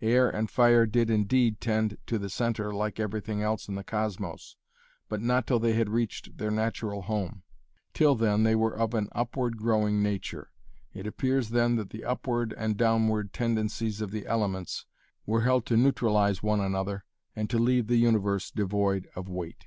Air and fire did indeed tend to the centre like everything else in the cosmos, but not till they had reached their natural home. Till then they were of an upward growing nature. It appears then that the upward and downward tendencies of the elements were held to neutralise one another and to leave the universe devoid of weight.